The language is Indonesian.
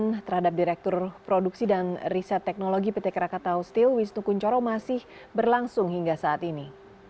pemeriksaan terhadap direktur produksi dan riset teknologi pt krakatau steel wisnu kunchoro masih berlangsung hingga saat ini